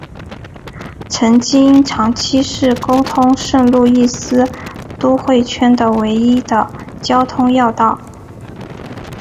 曾经长期是沟通圣路易斯都会圈的唯一的交通要道。